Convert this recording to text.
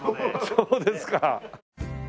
そうですか。